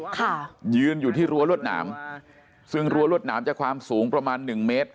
ค่ะยืนอยู่ที่รั้วรวดหนามซึ่งรั้วรวดหนามจะความสูงประมาณหนึ่งเมตร